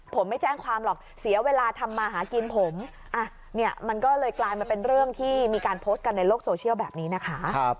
ผมไม่แจ้งความหรอกเสียเวลาทำมาหากินผมเนี่ยมันก็เลยกลายมาเป็นเรื่องที่มีการโพสต์กันในโลกโซเชียลแบบนี้นะคะ